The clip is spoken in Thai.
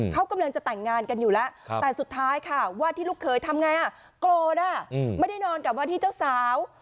เขากำลังจะแต่งงานกันอยู่แล้วแต่สุดท้ายค่ะว่าที่ลูกเคยทำไงโกรธไม่ได้นอนกับว่าที่เจ้าสาว